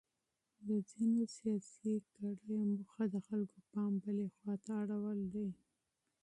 د ځینو سیاسي کړیو موخه د خلکو پام بلې خواته اړول دي.